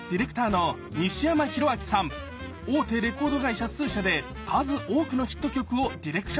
案内人は大手レコード会社数社で数多くのヒット曲をディレクションしてきました。